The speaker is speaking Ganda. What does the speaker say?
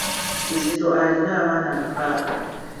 Kizito alina abaana mukaaga.